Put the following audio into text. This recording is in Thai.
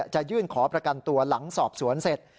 จะยื่นขอประกันตัวหลังสอบสวนเสร็จ